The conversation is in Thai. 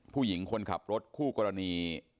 ผู้หญิงคนขับรถคู่กรณี